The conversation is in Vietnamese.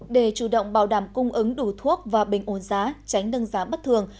để chủ động bảo đảm cung ứng đủ thuốc và bình ổn giá tránh nâng giá bất thường